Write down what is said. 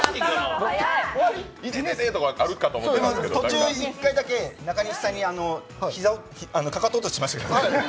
途中一回だけ、中西さんにかかと落とししましたけど。